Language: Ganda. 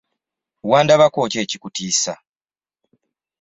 Wandabako ki ekyo ekikutiisa?